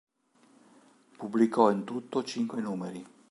Pubblicò in tutto cinque numeri.